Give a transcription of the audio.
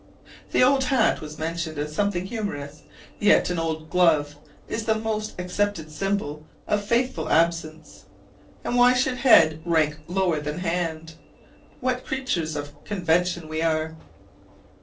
The "old hat" was mentioned as something humorous: yet an old glove is the most accepted symbol of faithful absence: and why should head rank lower than hand? What creatures of convention we are!